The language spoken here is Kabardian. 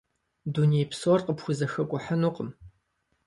Дуней псор къыпхузэхэкӀухьынукъым.